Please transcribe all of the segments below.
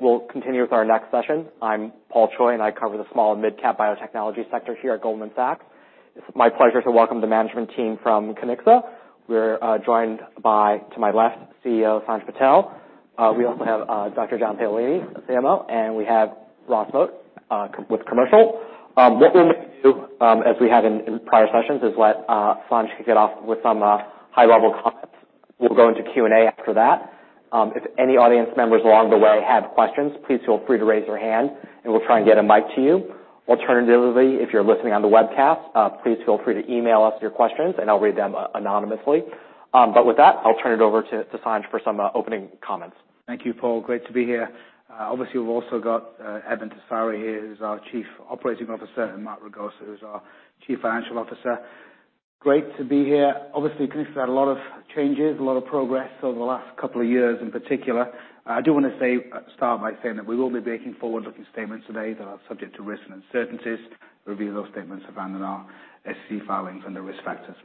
We'll continue with our next session. I'm Paul Choi, and I cover the small and mid-cap biotechnology sector here at Goldman Sachs. It's my pleasure to welcome the management team from Kiniksa. We're joined by, to my left, CEO Sanj Patel. We also have Dr. John Paolini, CMO, and we have Ross Moat with commercial. What we'll do, as we have in prior sessions, is let Sanj get off with some high-level comments. We'll go into Q&A after that. If any audience members along the way have questions, please feel free to raise your hand, and we'll try and get a mic to you. Alternatively, if you're listening on the webcast, please feel free to email us your questions, and I'll read them anonymously. With that, I'll turn it over to Sanj for some opening comments. Thank you, Paul. Great to be here. Obviously, we've also got Eben Tessari here, who's our Chief Operating Officer, and Mark Ragosa, who's our Chief Financial Officer. Great to be here. Obviously, Kiniksa had a lot of changes, a lot of progress over the last two years in particular. I do want to say, start by saying that we will be making forward-looking statements today that are subject to risks and uncertainties. We review those statements around in our SEC filings and the risk factors.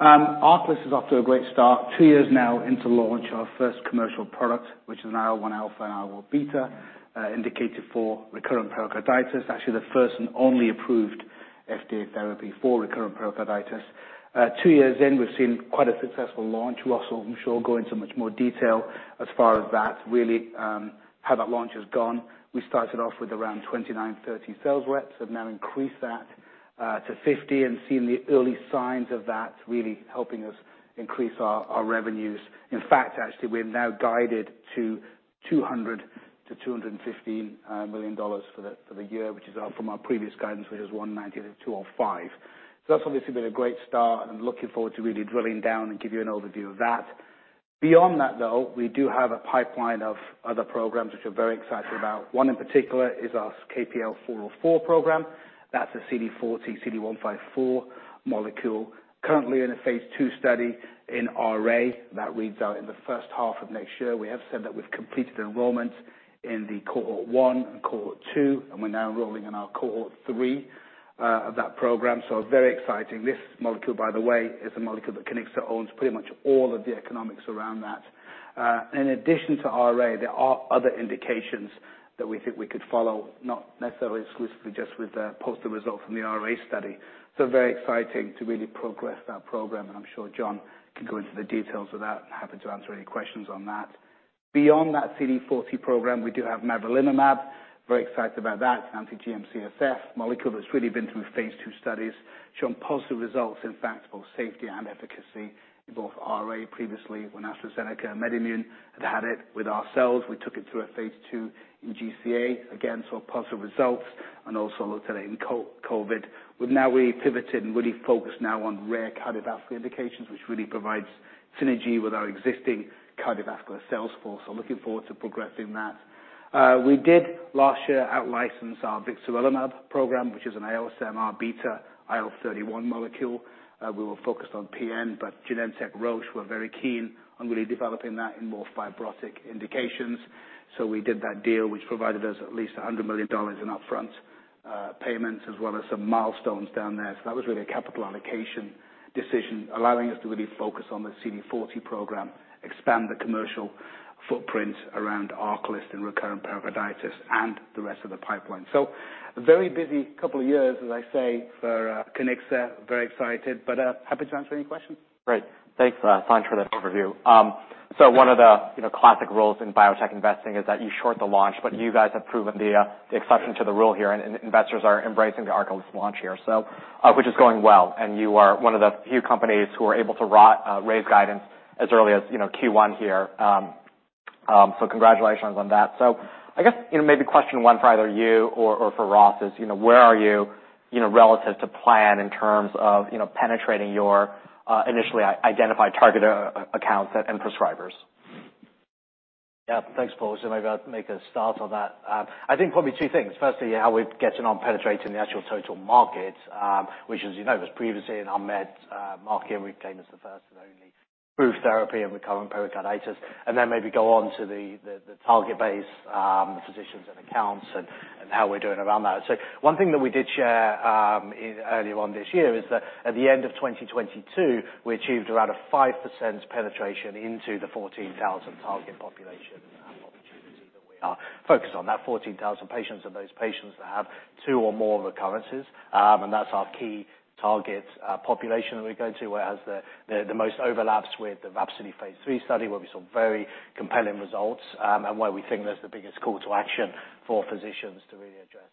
ARCALYST is off to a great start. Two years now into launch, our first commercial product, which is an IL-1 alpha and IL-1 beta, indicated for recurrent pericarditis, actually the first and only approved FDA therapy for recurrent pericarditis. Two years in, we've seen quite a successful launch. We also, I'm sure, go into much more detail as far as how that launch has gone. We started off with around 29, 30 sales reps, have now increased that to 50 and seen the early signs of that really helping us increase our revenues. In fact, actually, we're now guided to $200 million-$215 million for the year, which is up from our previous guidance, which was $190 million-$205 million. That's obviously been a great start, and I'm looking forward to really drilling down and give you an overview of that. Beyond that, though, we do have a pipeline of other programs which we're very excited about. One in particular is our KPL-404 program. That's a CD40, CD154 molecule, currently in a phase II study in RA. That reads out in the first half of next year. We have said that we've completed enrollment in the cohort one and cohort two, and we're now enrolling in our cohort three of that program, so very exciting. This molecule, by the way, is a molecule that Kiniksa owns pretty much all of the economics around that. In addition to RA, there are other indications that we think we could follow, not necessarily exclusively just with the positive results from the RA study. Very exciting to really progress that program, and I'm sure John can go into the details of that and happy to answer any questions on that. Beyond that CD40 program, we do have mavrilimumab. Very excited about that. It's anti-GM-CSF. Molecule has really been through phase II studies, shown positive results, in fact, both safety and efficacy in both RA previously, when AstraZeneca and MedImmune had had it. With ourselves, we took it through a phase II in GCA. Again, saw positive results and also looked at it in COVID. We've now really pivoted and really focused now on rare cardiovascular indications, which really provides synergy with our existing cardiovascular sales force. Looking forward to progressing that. We did last year, out-license our vixarelimab program, which is an OSMRβ, IL-31 molecule. We were focused on PN, but Genentech Roche were very keen on really developing that in more fibrotic indications. We did that deal, which provided us at least $100 million in upfront payments, as well as some milestones down there. That was really a capital allocation decision, allowing us to really focus on the CD40 program, expand the commercial footprint around ARCALYST and recurrent pericarditis and the rest of the pipeline. A very busy couple of years, as I say, for Kiniksa. Very excited, but happy to answer any questions. Great. Thanks, Sanj, for that overview. One of the, you know, classic roles in biotech investing is that you short the launch, but you guys have proven the exception to the rule here, and investors are embracing the ARCALYST launch here. Which is going well, and you are one of the few companies who are able to raise guidance as early as, you know, Q1 here. Congratulations on that. I guess, you know, maybe question one for either you or for Ross is, you know, where are you know, relative to plan in terms of, you know, penetrating your initially identified target accounts and prescribers? Yeah. Thanks, Paul. Maybe I'll make a start on that. I think probably two things. Firstly, how we're getting on penetrating the actual total market, which, as you know, was previously an unmet market. We became the first and only proof therapy in recurrent pericarditis, and then maybe go on to the, the target base physicians and accounts and how we're doing around that. One thing that we did share earlier on this year is that at the end of 2022, we achieved around a 5% penetration into the 14,000 target population opportunity that we are focused on. That 14,000 patients are those patients that have two or more recurrences, and that's our key target population that we go to, where it has the most overlaps with the RHAPSODY Phase III study, where we saw very compelling results, and where we think there's the biggest call to action for physicians to really address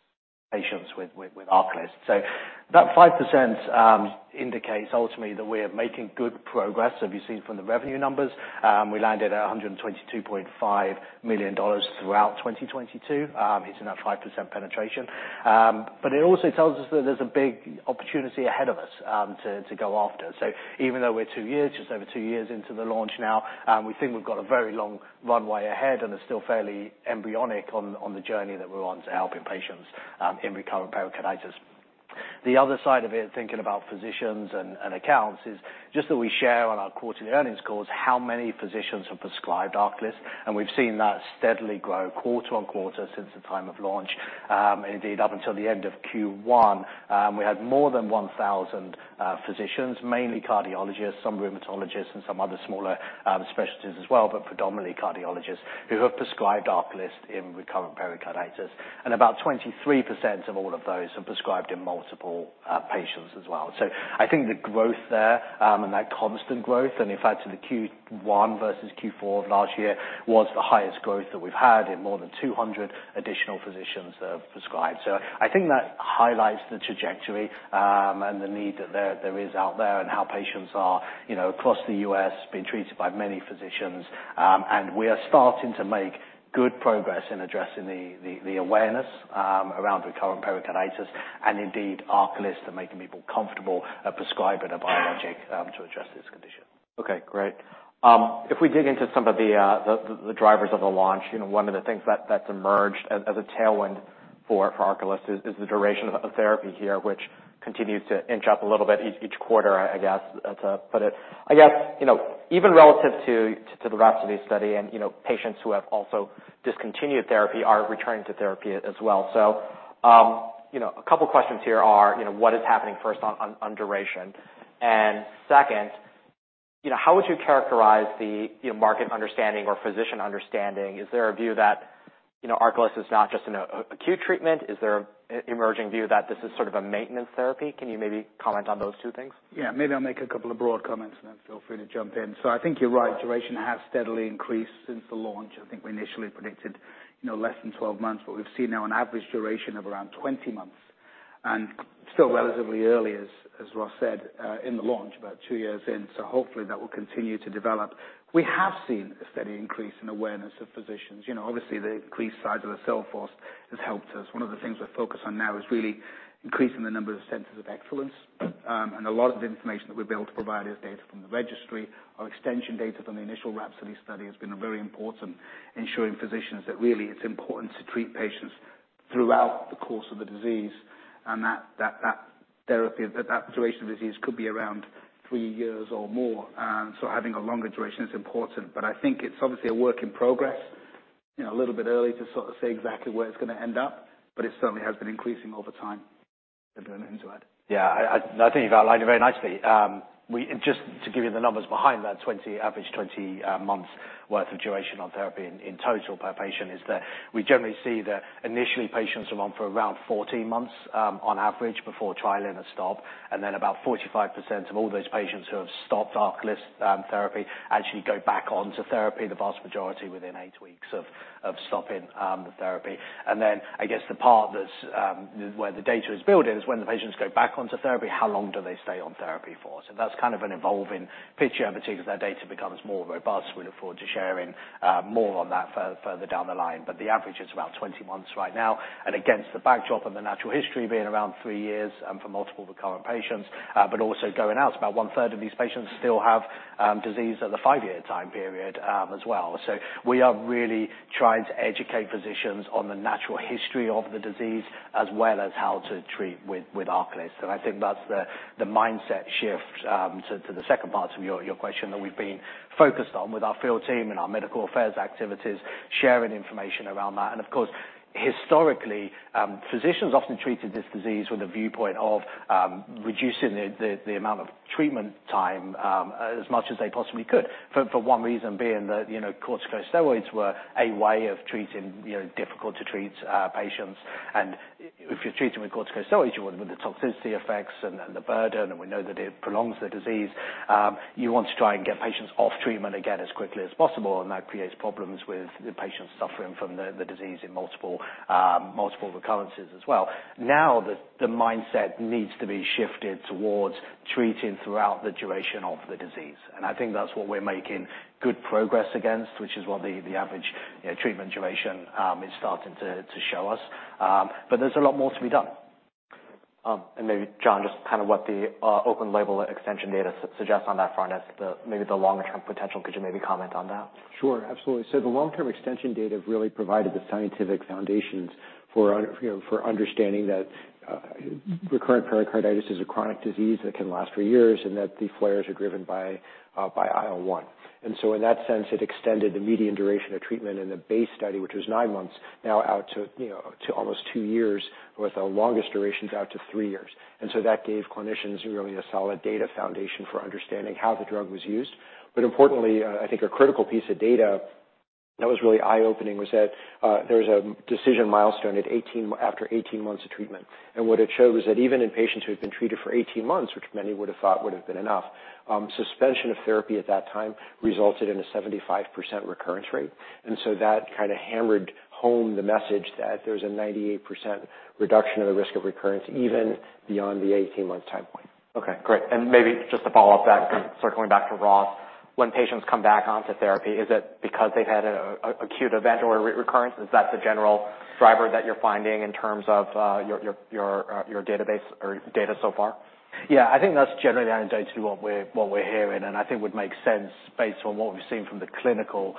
patients with ARCALYST. That 5% indicates ultimately that we are making good progress, as you've seen from the revenue numbers. We landed at $122.5 million throughout 2022, hitting that 5% penetration. It also tells us that there's a big opportunity ahead of us to go after. Even though we're two years, just over two years into the launch now, we think we've got a very long runway ahead and are still fairly embryonic on the journey that we're on to helping patients, in recurrent pericarditis. The other side of it, thinking about physicians and accounts, is just that we share on our quarterly earnings calls how many physicians have prescribed ARCALYST, and we've seen that steadily grow quarter on quarter since the time of launch. Indeed, up until the end of Q1, we had more than 1,000 physicians, mainly cardiologists, some rheumatologists, and some other smaller specialties as well, but predominantly cardiologists, who have prescribed ARCALYST in recurrent pericarditis. About 23% of all of those have prescribed in multiple patients as well. I think the growth there, and that constant growth, and in fact, in the Q1 versus Q4 of last year, was the highest growth that we've had in more than 200 additional physicians that have prescribed. I think that highlights the trajectory, and the need that there is out there and how patients are, you know, across the U.S., being treated by many physicians. We are starting to make good progress in addressing the awareness around recurrent pericarditis, and indeed, ARCALYST are making people comfortable at prescribing a biologic to address this condition. Okay, great. If we dig into some of the drivers of the launch, you know, one of the things that's emerged as a tailwind for ARCALYST is the duration of therapy here, which continues to inch up a little bit each quarter, I guess, to put it. I guess, you know, even relative to the RHAPSODY study, and, you know, patients who have also discontinued therapy are returning to therapy as well. You know, a couple questions here are, you know, what is happening first on duration? Second, you know, how would you characterize the, you know, market understanding or physician understanding? Is there a view that, you know, ARCALYST is not just an acute treatment? Is there an emerging view that this is sort of a maintenance therapy? Can you maybe comment on those two things? Yeah, maybe I'll make a couple of broad comments, and then feel free to jump in. I think you're right, duration has steadily increased since the launch. I think we initially predicted, you know, less than 12 months, but we've seen now an average duration of around 20 months. Still relatively early, as Ross said, in the launch, about two years in, so hopefully that will continue to develop. We have seen a steady increase in awareness of physicians. You know, obviously, the increased size of the sales force has helped us. One of the things we're focused on now is really increasing the number of centers of excellence. A lot of the information that we've been able to provide is data from the registry. Our extension data from the initial RHAPSODY study has been very important in showing physicians that really it's important to treat patients throughout the course of the disease, and that therapy, that duration of disease could be around three years or more. Having a longer duration is important. I think it's obviously a work in progress. You know, a little bit early to sort of say exactly where it's going to end up, but it certainly has been increasing over time. Ross, anything to add? Yeah, I think you've outlined it very nicely. Just to give you the numbers behind that 20, average 20 months worth of duration on therapy in total per patient, is that we generally see that initially, patients are on for around 14 months, on average, before trialing a stop. About 45% of all those patients who have stopped ARCALYST therapy actually go back onto therapy, the vast majority within eight weeks of stopping the therapy. I guess the part that's where the data is building is when the patients go back onto therapy, how long do they stay on therapy for? That's kind of an evolving picture, and particularly as that data becomes more robust, we look forward to sharing more on that further down the line. The average is about 20 months right now. Against the backdrop of the natural history being around three years, for multiple recurrent patients, but also going out, about one third of these patients still have disease at the five-year time period, as well. We are really trying to educate physicians on the natural history of the disease, as well as how to treat with ARCALYST. I think that's the mindset shift, to the second part of your question that we've been focused on with our field team and our medical affairs activities, sharing information around that. Of course, historically, physicians often treated this disease with a viewpoint of, reducing the amount of treatment time, as much as they possibly could. For one reason being that, you know, corticosteroids were a way of treating, you know, difficult to treat patients. If you're treating with corticosteroids, with the toxicity effects and the burden, and we know that it prolongs the disease, you want to try and get patients off treatment again as quickly as possible, and that creates problems with the patients suffering from the disease in multiple recurrences as well. Now, the mindset needs to be shifted towards treating throughout the duration of the disease. I think that's what we're making good progress against, which is what the average, you know, treatment duration is starting to show us. There's a lot more to be done. Maybe, John, just kind of what the open label extension data suggests on that front as the, maybe the longer-term potential. Could you maybe comment on that? Sure, absolutely. The long-term extension data really provided the scientific foundations for you know, for understanding that recurrent pericarditis is a chronic disease that can last for years, and that the flares are driven by IL-1. In that sense, it extended the median duration of treatment in the base study, which was nine months, now out to, you know, to almost two years, with the longest durations out to three years. That gave clinicians really a solid data foundation for understanding how the drug was used. Importantly, I think a critical piece of data that was really eye-opening was that there was a decision milestone after 18 months of treatment. What it showed was that even in patients who had been treated for 18 months, which many would have thought would have been enough, suspension of therapy at that time resulted in a 75% recurrence rate. That kind of hammered home the message that there's a 98% reduction in the risk of recurrence, even beyond the 18-month time point. Okay, great. Maybe just to follow up that, circling back to Ross, when patients come back onto therapy, is it because they've had an acute event or a reoccurrence? Is that the general driver that you're finding in terms of your database or data so far? I think that's generally anecdotal to what we're hearing, and I think would make sense based on what we've seen from the clinical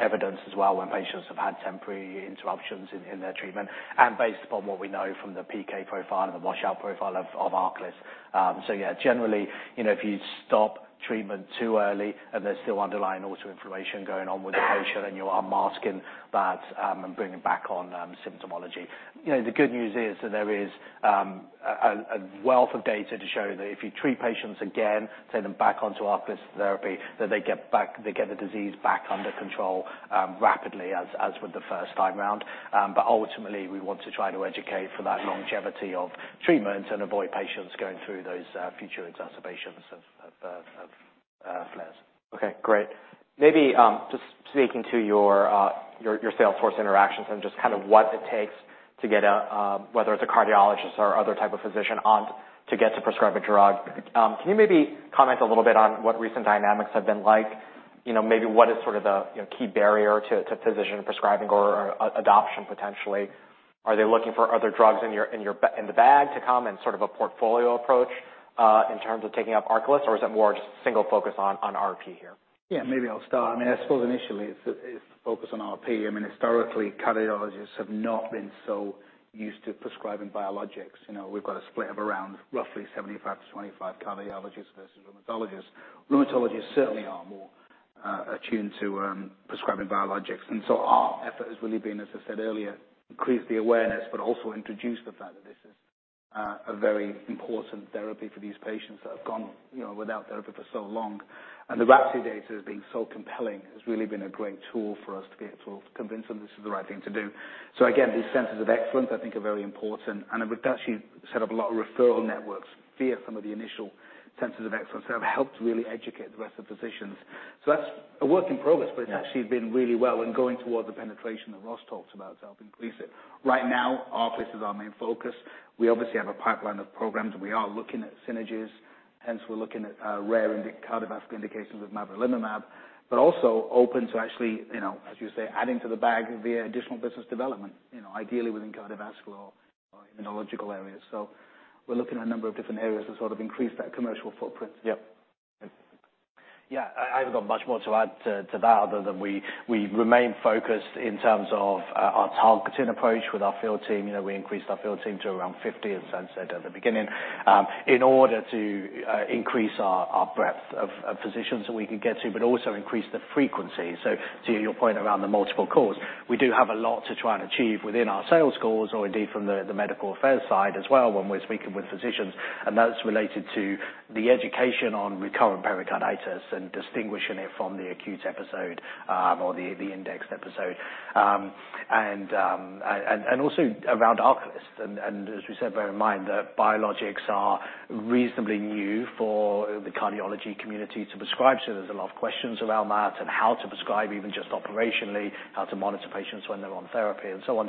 evidence as well, when patients have had temporary interruptions in their treatment, and based upon what we know from the PK profile and the washout profile of ARCALYST. Generally, you know, if you stop treatment too early and there's still underlying autoinflammation going on with the patient, and you are unmasking that and bringing back on symptomology. You know, the good news is that there is a wealth of data to show that if you treat patients again, take them back onto ARCALYST therapy, that they get the disease back under control rapidly as with the first time around. Ultimately, we want to try to educate for that longevity of treatment and avoid patients going through those, future exacerbations of flares. Okay, great. Maybe just speaking to your sales force interactions and just kind of what it takes to get a whether it's a cardiologist or other type of physician on to get to prescribe a drug. Can you maybe comment a little bit on what recent dynamics have been like? You know, maybe what is sort of the, you know, key barrier to physician prescribing or adoption potentially? Are they looking for other drugs in your in the bag to come in sort of a portfolio approach in terms of taking up ARCALYST, or is it more just single focus on RP here? Yeah, maybe I'll start. I mean, I suppose initially it's focus on RP. I mean, historically, cardiologists have not been so used to prescribing biologics. You know, we've got a split of around roughly 75 to 25 cardiologists versus rheumatologists. Rheumatologists certainly are more, attuned to, prescribing biologics. Our effort has really been, as I said earlier, increase the awareness, but also introduce the fact that this is a very important therapy for these patients that have gone, you know, without therapy for so long. The RAPTI data has been so compelling. It's really been a great tool for us to be able to convince them this is the right thing to do. Again, these centers of excellence, I think, are very important, and it would actually set up a lot of referral networks via some of the initial centers of excellence that have helped really educate the rest of the physicians. That's a work in progress, but it's actually been really well and going towards the penetration that Ross talked about to help increase it. Right now, ARCALYST is our main focus. We obviously have a pipeline of programs, and we are looking at synergies. We're looking at rare cardiovascular indications with mavrilimumab, but also open to actually, you know, as you say, adding to the bag via additional business development, you know, ideally within cardiovascular or immunological areas. We're looking at a number of different areas to sort of increase that commercial footprint. Yep. Yeah, I haven't got much more to add to that, other than we remain focused in terms of our targeting approach with our field team. You know, we increased our field team to around 50, as Sanj said at the beginning, in order to increase our breadth of physicians that we can get to, but also increase the frequency. To your point around the multiple calls, we do have a lot to try and achieve within our sales calls, or indeed from the medical affairs side as well, when we're speaking with physicians, and that's related to the education on recurrent pericarditis and distinguishing it from the acute episode, or the indexed episode. And also around ARCALYST. As we said, bear in mind that biologics are reasonably new for the cardiology community to prescribe, so there's a lot of questions around that and how to prescribe, even just operationally, how to monitor patients when they're on therapy and so on.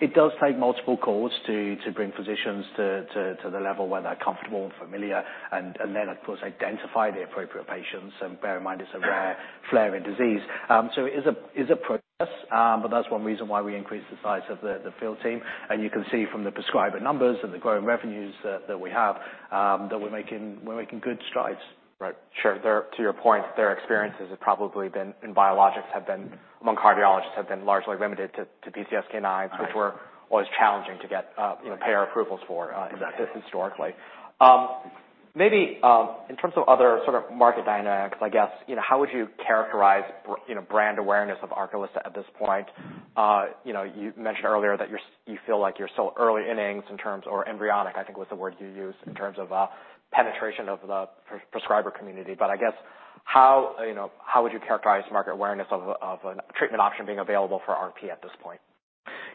It does take multiple calls to bring physicians to the level where they're comfortable and familiar, and then, of course, identify the appropriate patients. Bear in mind, it's a rare flaring disease. So it is a process, but that's one reason why we increased the size of the field team. You can see from the prescriber numbers and the growing revenues that we have, that we're making good strides. Right. Sure. To your point, their experiences have probably been, in biologics, have been, among cardiologists, have been largely limited to PCSK9- Right. which were always challenging to get, you know, payer approvals for. Exactly. historically. Maybe, in terms of other sort of market dynamics, I guess, you know, how would you characterize you know, brand awareness of ARCALYST at this point? You know, you mentioned earlier that you're, you feel like you're still early innings in terms, or embryonic, I think, was the word you used, in terms of, penetration of the prescriber community. I guess, how, you know, how would you characterize market awareness of a, of a treatment option being available for RP at this point?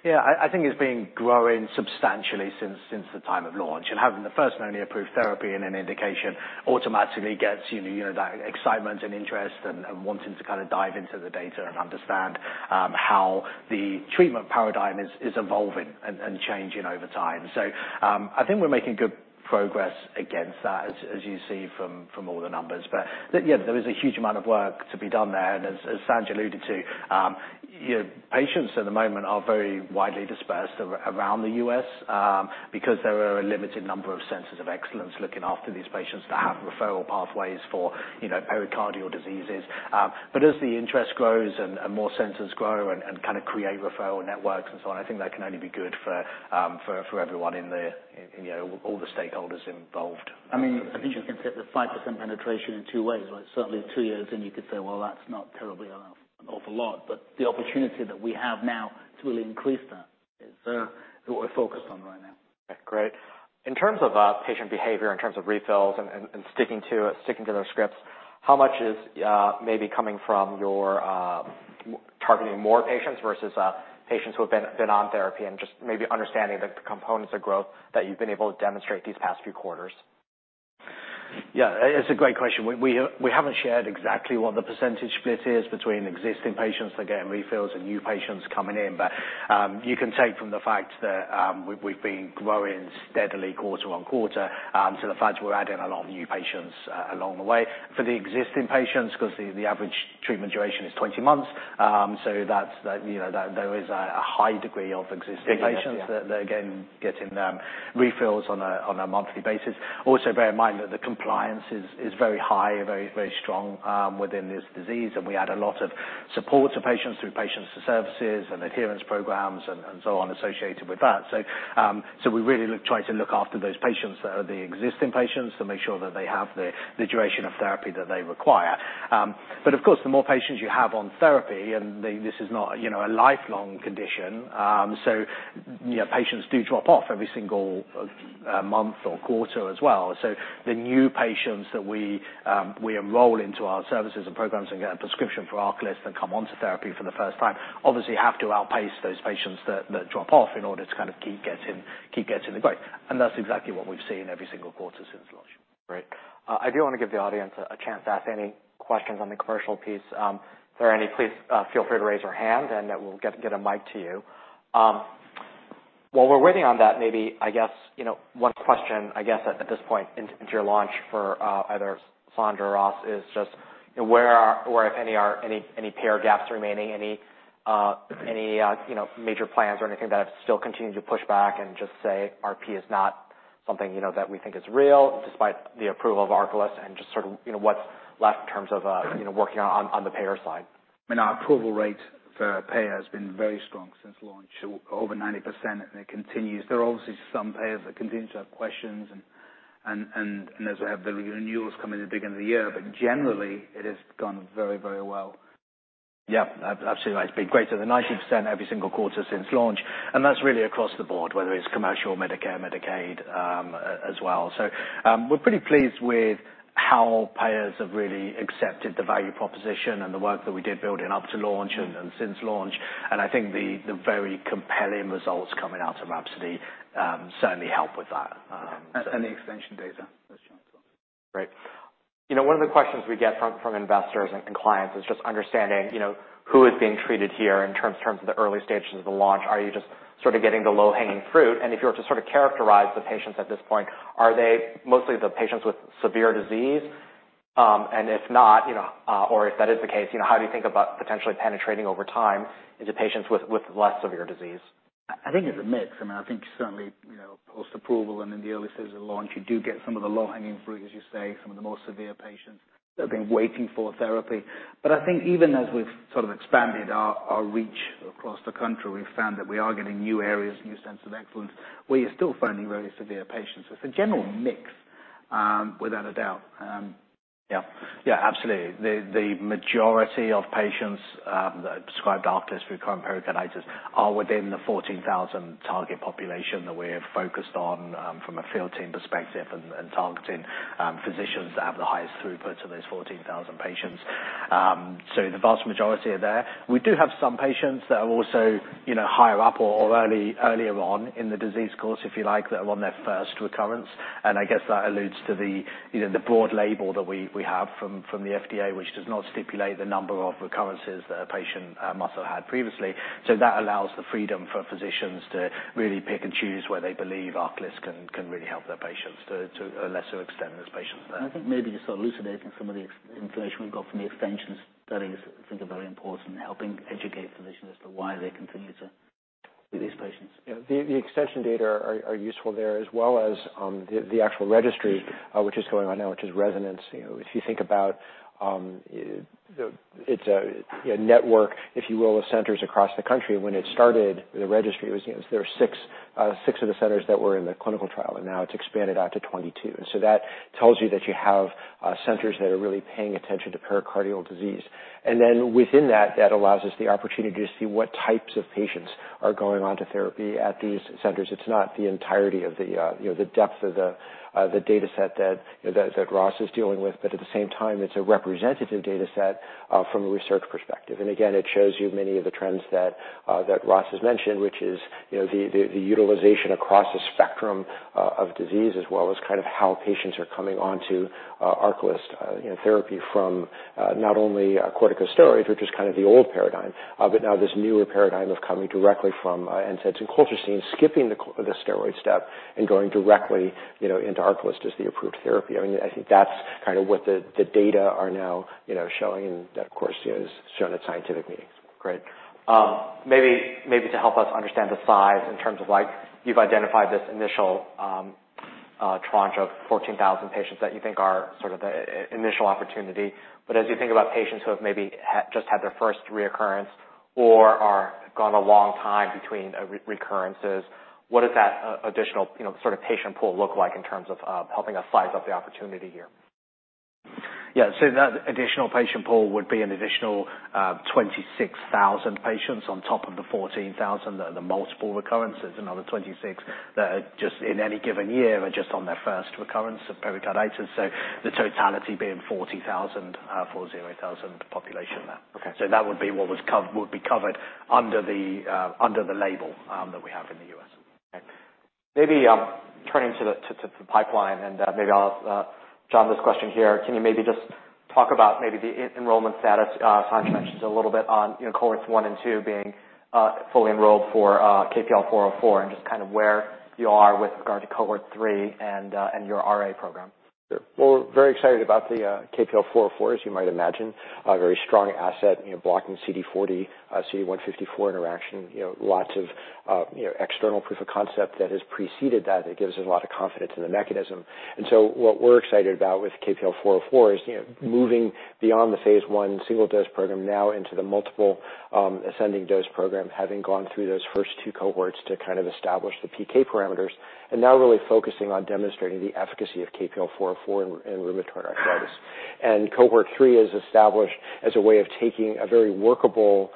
Yeah, I think it's been growing substantially since the time of launch. Having the first and only approved therapy in an indication automatically gets, you know, that excitement and interest and wanting to kind of dive into the data and understand how the treatment paradigm is evolving and changing over time. I think we're making good progress against that, as you see from all the numbers. Yeah, there is a huge amount of work to be done there. As, as Sanj alluded to, you know, patients at the moment are very widely dispersed around the U.S., because there are a limited number of centers of excellence looking after these patients that have referral pathways for, you know, pericardial diseases. As the interest grows and more centers grow and kind of create referral networks and so on, I think that can only be good for everyone in the, you know, all the stakeholders involved. I mean, I think you can set the 5% penetration in two ways, right? Certainly, two years in, you could say, "Well, that's not terribly an awful lot," but the opportunity that we have now to really increase that is what we're focused on right now. Great. In terms of patient behavior, in terms of refills and sticking to their scripts, how much is maybe coming from your targeting more patients versus patients who have been on therapy and just maybe understanding the components of growth that you've been able to demonstrate these past few quarters? Yeah, it's a great question. We haven't shared exactly what the percentage split is between existing patients that are getting refills and new patients coming in. You can take from the fact that we've been growing steadily quarter on quarter, so the fact we're adding a lot of new patients along the way. For the existing patients, because the average treatment duration is 20 months, so that's, you know, that there is a high degree of existing patients. Yeah. that are, again, getting refills on a monthly basis. Bear in mind that the compliance is very high, very, very strong within this disease. We add a lot of support to patients through patient services and adherence programs and so on, associated with that. We really try to look after those patients that are the existing patients, to make sure that they have the duration of therapy that they require. Of course, the more patients you have on therapy, and this is not, you know, a lifelong condition, so, you know, patients do drop off every single month or quarter as well. The new patients that we enroll into our services and programs and get a prescription for ARCALYST and come onto therapy for the first time, obviously have to outpace those patients that drop off in order to kind of keep getting the growth. That's exactly what we've seen every single quarter since launch. Great. I do want to give the audience a chance to ask any questions on the commercial piece. If there are any, please feel free to raise your hand, and we'll get a mic to you. While we're waiting on that, maybe I guess, you know, one question I guess at this point into your launch for either Sanj or Ross, is just where are, or if any are, any payer gaps remaining, any, you know, major plans or anything that have still continued to push back and just say RP is not something, you know, that we think is real, despite the approval of ARCALYST and just sort of, you know, what's left in terms of, you know, working on the payer side? I mean, our approval rate for payer has been very strong since launch, over 90%, and it continues. There are obviously some payers that continue to have questions and as we have the renewals coming at the beginning of the year, but generally, it has gone very, very well. Yeah, absolutely. It's been greater than 90% every single quarter since launch, and that's really across the board, whether it's commercial, Medicare, Medicaid, as well. We're pretty pleased with how payers have really accepted the value proposition and the work that we did building up to launch and since launch. I think the very compelling results coming out of RHAPSODY certainly help with that. The extension data, as well. Great. You know, one of the questions we get from investors and clients is just understanding, you know, who is being treated here in terms of the early stages of the launch. Are you just sort of getting the low-hanging fruit? If you were to sort of characterize the patients at this point, are they mostly the patients with severe disease? If not, you know, or if that is the case, you know, how do you think about potentially penetrating over time into patients with less severe disease? I think it's a mix. I mean, I think certainly, you know, post-approval and in the early stages of launch, you do get some of the low-hanging fruit, as you say, some of the more severe patients that have been waiting for therapy. I think even as we've sort of expanded our reach across the country, we've found that we are getting new areas, new centers of excellence, where you're still finding very severe patients. It's a general mix, without a doubt. Yeah. Yeah, absolutely. The, the majority of patients that are prescribed ARCALYST for current pericarditis are within the 14,000 target population that we're focused on from a field team perspective, and targeting physicians that have the highest throughput of those 14,000 patients. The vast majority are there. We do have some patients that are also, you know, higher up or earlier on in the disease course, if you like, that are on their first recurrence. I guess that alludes to the, you know, the broad label that we have from the FDA, which does not stipulate the number of recurrences that a patient must have had previously. That allows the freedom for physicians to really pick and choose where they believe ARCALYST can really help their patients to a lesser extent than those patients there. I think maybe just elucidating some of the information we've got from the extensions studies, I think are very important in helping educate physicians as to why they continue to see these patients. Yeah. The extension data are useful there, as well as, the actual registry, which is going on now, which is RESONANCE. You know, if you think about, it's a network, if you will, of centers across the country. When it started, the registry, it was, there were six of the centers that were in the clinical trial, and now it's expanded out to 22. That tells you that you have centers that are really paying attention to pericardial disease. Then within that allows us the opportunity to see what types of patients are going on to therapy at these centers. It's not the entirety of the, you know, the depth of the dataset that, that Ross is dealing with, but at the same time, it's a representative dataset, from a research perspective. Again, it shows you many of the trends that Ross has mentioned, which is, you know, the, the utilization across the spectrum, of disease, as well as kind of how patients are coming onto, ARCALYST, you know, therapy from, not only corticosteroids, which is kind of the old paradigm, but now this newer paradigm of coming directly from NSAIDs and colchicine, skipping the steroid step and going directly, you know, into ARCALYST as the approved therapy. I mean, I think that's kind of what the data are now, you know, showing, and that, of course, is shown at scientific meetings. Great. maybe to help us understand the size in terms of like, you've identified this initial tranche of 14,000 patients that you think are sort of the initial opportunity. As you think about patients who have maybe had, just had their first reoccurrence or are gone a long time between recurrences, what does that additional, you know, sort of patient pool look like in terms of helping us size up the opportunity here? Yeah. That additional patient pool would be an additional 26,000 patients on top of the 14,000 that are the multiple recurrences. Another 26 that are just, in any given year, are just on their first recurrence of pericarditis. The totality being 40,000, 40,000 population there. Okay. That would be what was covered under the, under the label, that we have in the U.S.... Maybe, turning to the pipeline, and maybe I'll, John, this question here, can you maybe just talk about maybe the enrollment status, Sanj mentioned a little bit on, you know, cohorts one and two being fully enrolled for KPL-404, and just kind of where you are with regard to cohort three and your RA program? Sure. Well, we're very excited about the KPL-404, as you might imagine, a very strong asset, you know, blocking CD40, CD154 interaction. You know, lots of, you know, external proof of concept that has preceded that. It gives us a lot of confidence in the mechanism. What we're excited about with KPL-404 is, you know, moving beyond the phase I single dose program now into the multiple ascending dose program, having gone through those first two cohorts to kind of establish the PK parameters, and now really focusing on demonstrating the efficacy of KPL-404 in rheumatoid arthritis. Cohort three is established as a way of taking a very workable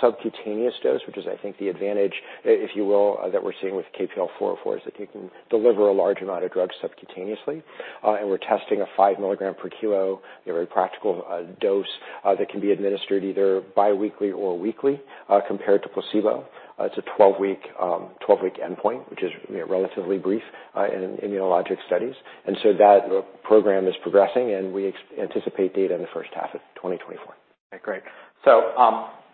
subcutaneous dose, which is, I think, the advantage, if you will, that we're seeing with KPL-404, is that you can deliver a large amount of drug subcutaneously. We're testing a 5 mg per kilo, a very practical dose, that can be administered either biweekly or weekly, compared to placebo. It's a 12-week, 12-week endpoint, which is, you know, relatively brief in immunologic studies. That program is progressing, and we anticipate data in the first half of 2024. Okay, great.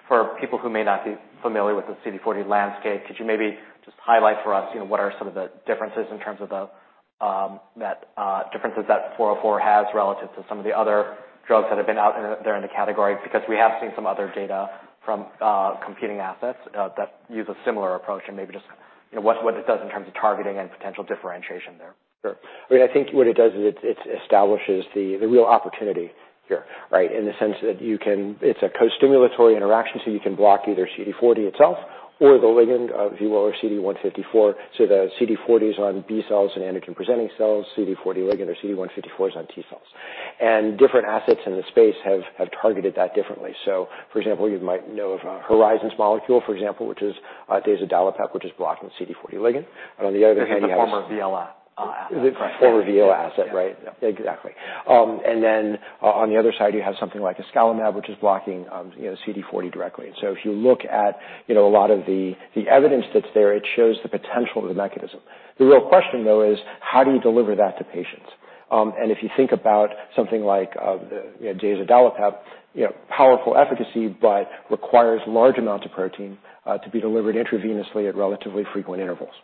For people who may not be familiar with the CD40 landscape, could you maybe just highlight for us, you know, what are some of the differences in terms of the differences that KPL-404 has relative to some of the other drugs that have been out there in the category? We have seen some other data from competing assets that use a similar approach, maybe just, you know, what it does in terms of targeting and potential differentiation there. Sure. I mean, I think what it does is it establishes the real opportunity here, right? In the sense that you can. It's a co-stimulatory interaction, so you can block either CD40 itself or the ligand, if you will, or CD154. The CD40 is on B cells and antigen-presenting cells. CD40 ligand or CD154 is on T cells. Different assets in the space have targeted that differently. For example, you might know of Horizon's molecule, for example, which is dazodalibep, which is blocking the CD40 ligand. On the other hand, you have. The former Viela asset. The former Viela asset, right? Exactly. On the other side, you have something like iscalimab, which is blocking, you know, CD40 directly. If you look at, you know, a lot of the evidence that's there, it shows the potential of the mechanism. The real question, though, is: How do you deliver that to patients? If you think about something like, you know, dazodalibep, you know, powerful efficacy, but requires large amounts of protein to be delivered intravenously at relatively frequent intervals.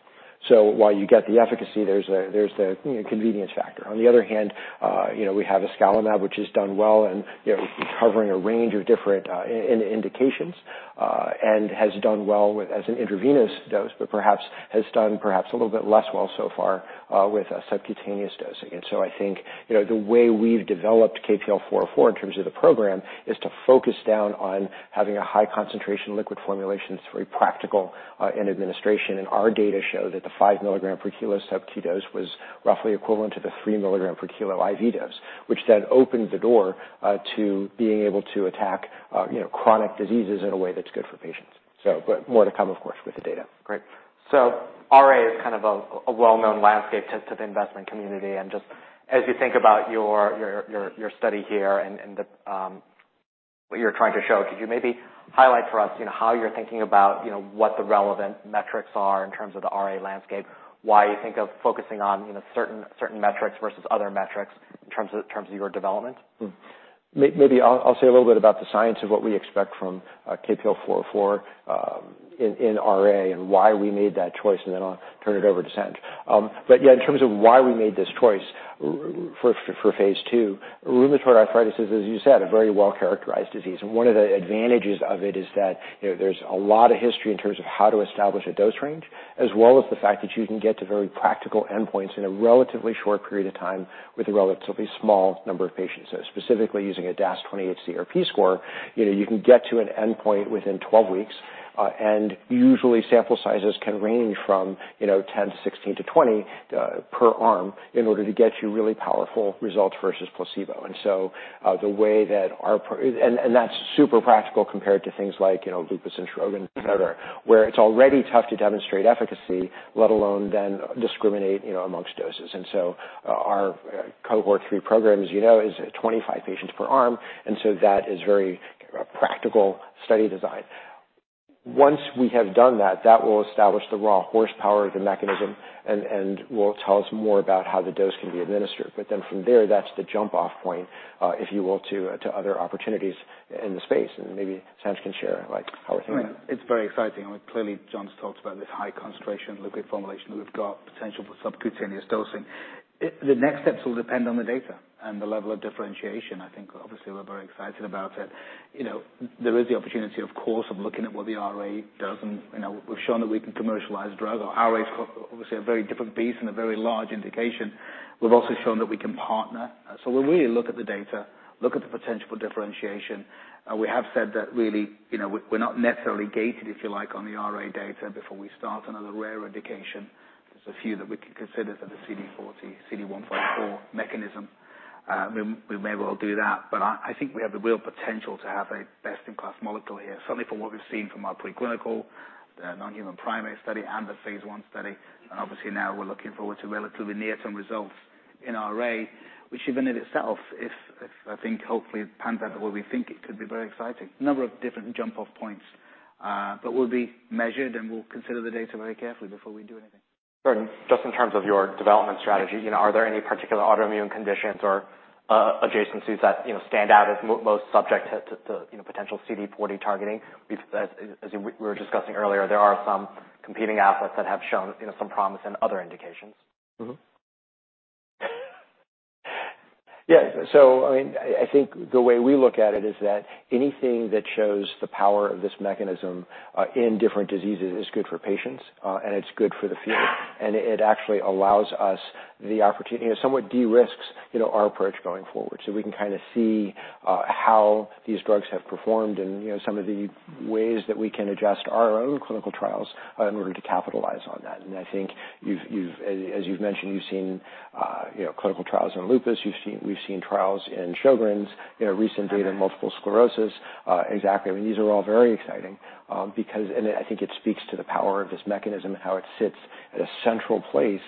While you get the efficacy, there's the, you know, convenience factor. On the other hand, you know, we have iscalimab, which has done well and, you know, covering a range of different indications, and has done well with as an intravenous dose, but perhaps has done a little bit less well so far, with a subcutaneous dosing. I think, you know, the way we've developed KPL-404 in terms of the program, is to focus down on having a high concentration liquid formulation that's very practical, in administration. Our data show that the 5 mg per kilo subcu dose was roughly equivalent to the 3 mg per kilo IV dose, which then opened the door, to being able to attack, you know, chronic diseases in a way that's good for patients. But more to come, of course, with the data. Great. RA is kind of a well-known landscape to the investment community. Just as you think about your study here and the what you're trying to show, could you maybe highlight for us, you know, how you're thinking about, you know, what the relevant metrics are in terms of the RA landscape, why you think of focusing on, you know, certain metrics versus other metrics in terms of your development? Maybe I'll say a little bit about the science of what we expect from KPL-404 in RA and why we made that choice, and then I'll turn it over to Sanj. Yeah, in terms of why we made this choice for phase II, rheumatoid arthritis is, as you said, a very well-characterized disease. One of the advantages of it is that, you know, there's a lot of history in terms of how to establish a dose range, as well as the fact that you can get to very practical endpoints in a relatively short period of time with a relatively small number of patients. Specifically using a DAS28-CRP score, you know, you can get to an endpoint within 12 weeks, and usually sample sizes can range from, you know, 10 to 16 to 20 per arm in order to get you really powerful results versus placebo. The way that our and that's super practical compared to things like, you know, lupus and Sjögren's syndrome, where it's already tough to demonstrate efficacy, let alone then discriminate, you know, amongst doses. Our cohort three program, as you know, is 25 patients per arm, and so that is very practical study design. Once we have done that will establish the raw horsepower of the mechanism and will tell us more about how the dose can be administered. From there, that's the jump-off point, if you will, to other opportunities in the space, and maybe Sanj can share, like, how we think. It's very exciting. I mean, clearly, John Paolini's talked about this high concentration liquid formulation. We've got potential for subcutaneous dosing. The next steps will depend on the data and the level of differentiation. I think obviously we're very excited about it. You know, there is the opportunity, of course, of looking at what the RA does, and, you know, we've shown that we can commercialize drug. Our RAs, obviously, are very different beast and a very large indication. We've also shown that we can partner. We'll really look at the data, look at the potential for differentiation. We have said that really, you know, we're not necessarily gated, if you like, on the RA data before we start another rare indication. There's a few that we could consider for the CD40, CD154 mechanism. we may well do that, but I think we have the real potential to have a best-in-class molecule here, certainly from what we've seen from our preclinical, the non-human primate study and the phase I study. Obviously, now we're looking forward to relatively near-term results. in our array, which even in itself is I think, hopefully, pans out the way we think it could be very exciting. A number of different jump-off points, we'll be measured, and we'll consider the data very carefully before we do anything. Gordon, just in terms of your development strategy, you know, are there any particular autoimmune conditions or adjacencies that, you know, stand out as most subject to potential CD40 targeting? As we were discussing earlier, there are some competing assets that have shown, you know, some promise in other indications. Yeah. I mean, I think the way we look at it is that anything that shows the power of this mechanism in different diseases is good for patients and it's good for the field. It actually allows us the opportunity, you know, somewhat de-risks, you know, our approach going forward. We can kinda see how these drugs have performed and, you know, some of the ways that we can adjust our own clinical trials in order to capitalize on that. I think you've, as you've mentioned, you've seen, you know, clinical trials in lupus. We've seen trials in Sjögren's, you know, recent data in multiple sclerosis. Exactly. I mean, these are all very exciting, because... I think it speaks to the power of this mechanism and how it sits at a central place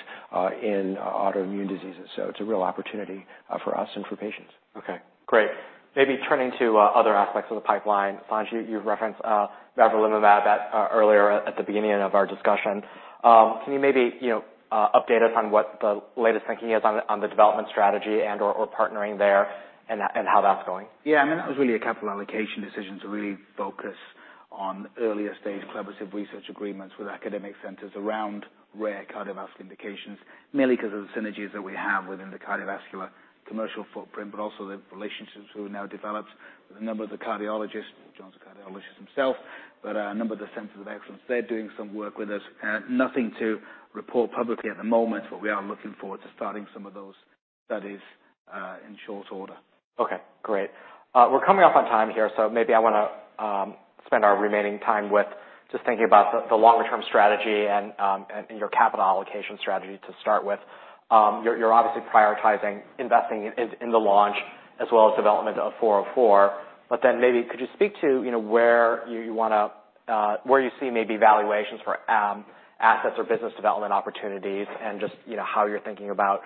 in autoimmune diseases. It's a real opportunity for us and for patients. Okay, great. Maybe turning to other aspects of the pipeline. Sanj, you've referenced mavrilimumab, that earlier at the beginning of our discussion. Can you maybe, you know, update us on what the latest thinking is on the development strategy and/or partnering there, and how that's going? Yeah, I mean, that was really a capital allocation decision to really focus on earlier-stage collaborative research agreements with academic centers around rare cardiovascular indications, mainly because of the synergies that we have within the cardiovascular commercial footprint, but also the relationships we've now developed with a number of the cardiologists. John's a cardiologist himself, but a number of the centers of excellence, they're doing some work with us. Nothing to report publicly at the moment, but we are looking forward to starting some of those studies in short order. Okay, great. We're coming up on time here, so maybe I want to spend our remaining time with just thinking about the longer-term strategy and your capital allocation strategy to start with. You're obviously prioritizing investing in the launch as well as development of 404. Maybe could you speak to, you know, where you want to where you see maybe valuations for assets or business development opportunities, and just, you know, how you're thinking about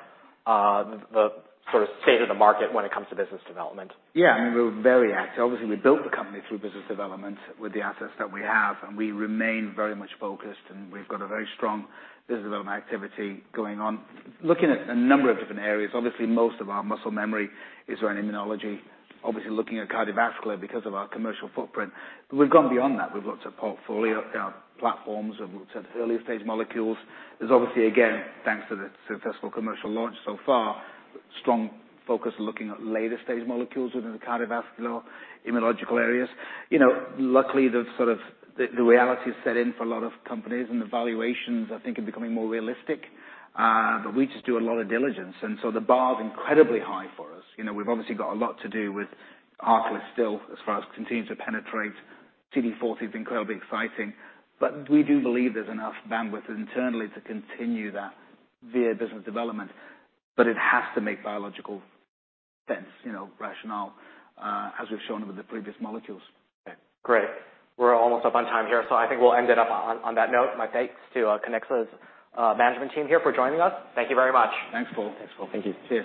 the sort of state of the market when it comes to business development? Yeah, I mean, we're very active. Obviously, we built the company through business development with the assets that we have, and we remain very much focused, and we've got a very strong business development activity going on. Looking at a number of different areas, obviously, most of our muscle memory is around immunology. Obviously, looking at cardiovascular because of our commercial footprint, but we've gone beyond that. We've got a portfolio of platforms, and we've said earlier-stage molecules. There's obviously, again, thanks to the successful commercial launch so far, strong focus looking at later-stage molecules within the cardiovascular immunological areas. You know, luckily, the sort of the reality has set in for a lot of companies, and the valuations, I think, are becoming more realistic. We just do a lot of diligence, and so the bar is incredibly high for us. You know, we've obviously got a lot to do with ARCALYST still, as far as continuing to penetrate. CD40 is incredibly exciting, but we do believe there's enough bandwidth internally to continue that via business development, but it has to make biological sense, you know, rationale, as we've shown with the previous molecules. Okay, great. We're almost up on time here, so I think we'll end it up on that note. My thanks to Kiniksa's management team here for joining us. Thank you very much. Thanks, Paul. Thanks, Paul. Thank you. See you.